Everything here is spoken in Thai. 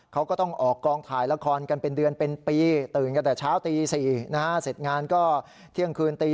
เขาก็ต้องออกกองถ่ายละครกันเป็นเดือนเป็นปี